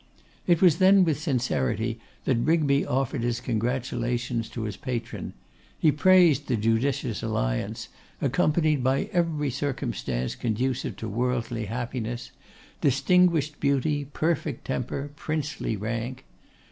It was then with sincerity that Rigby offered his congratulations to his patron. He praised the judicious alliance, accompanied by every circumstance conducive to worldly happiness; distinguished beauty, perfect temper, princely rank.